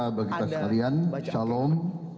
salam sejahtera bagi kita sekalian salam